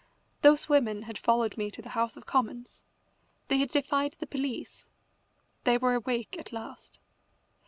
Those women had followed me to the House of Commons. They had defied the police. They were awake at last.